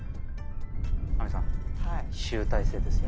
亜美さん集大成ですよ。